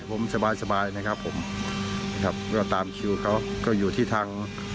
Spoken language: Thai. ผมสบายสบายนะครับผมนะครับก็ตามคิวเขาก็อยู่ที่ทาง